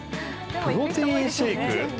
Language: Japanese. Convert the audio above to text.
プロテインシェイク？